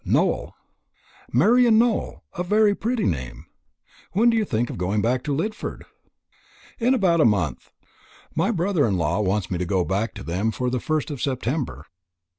"Nowell." "Marian Nowell a very pretty name! When do you think of going back to Lidford?" "In about a month. My brother in law wants me to go back to them for the 1st of September."